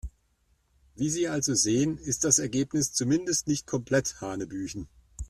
Wie Sie also sehen, ist das Ergebnis zumindest nicht komplett hanebüchen.